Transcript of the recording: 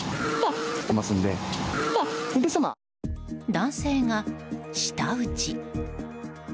男性が舌打ち！